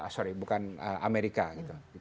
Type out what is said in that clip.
sorry bukan amerika gitu